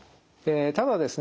ただですね